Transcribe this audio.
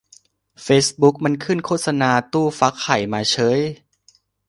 เฟซบุ๊กมันขึ้นโฆษณาตู้ฟักไข่มาเฉ๊ย